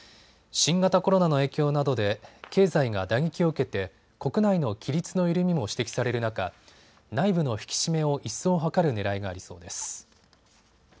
新型コロナの影響などで経済が打撃を受けて国内の規律の緩みも指摘される中内部の引き締めを一層図るねらいがありそうです。